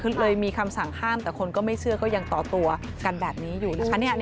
คือเลยมีคำสั่งห้ามแต่คนก็ไม่เชื่อก็ยังต่อตัวกันแบบนี้อยู่นะคะ